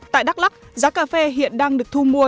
tại đắk lắc giá cà phê hiện đang được thu mua